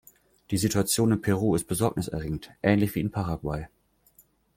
Die Situation in Peru ist besorgniserregend, ähnlich wie in Paraguay.